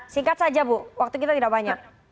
singkat saja bu waktu kita tidak banyak